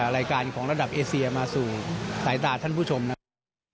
รายการของระดับเอเซียมาสู่สายตาท่านผู้ชมนะครับ